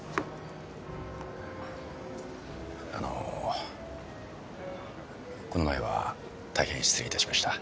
あのこの前は大変失礼いたしました